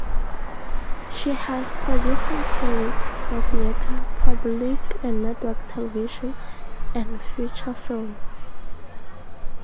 She has producing credits for theater, public and network television, and feature films.